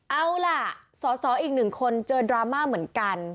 เอาล่ะสอสออีกหนึ่งคนเจอดราม่าเหมือนกัน